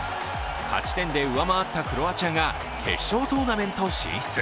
勝ち点で上回ったクロアチアが決勝トーナメント進出。